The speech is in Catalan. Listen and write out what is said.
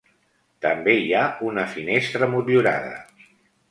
També hi ha una finestra motllurada.